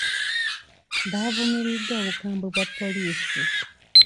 Baavumiridde obukambwe bwa poliisi.